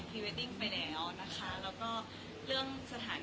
เปรียมปรับทรอดยังไงบ้าง